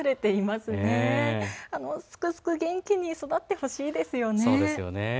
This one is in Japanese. すくすく元気に育ってほしいですよね。